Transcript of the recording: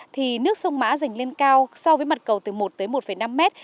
thì nước sông mã dần lên cao so với mặt cầu từ một tới một năm mét